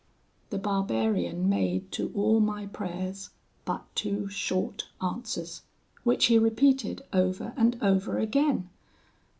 "The barbarian made to all my prayers but two short answers, which he repeated over and over again.